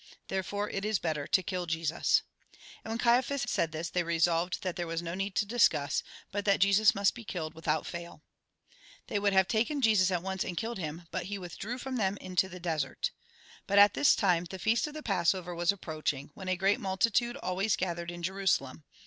Therefore it is better to kill Jesus." And when Caiaphas said this, they resolved that there was no need to discuss, but that Jesus must be kUled without fail. They would have taken Jesus at once and killed him, but he withdrew from them into the desert. But at this time the feast of the Passover was ap proaching, when a great multitude always gathered in Jerusalem.